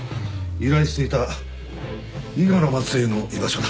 依頼していた伊賀の末裔の居場所だ。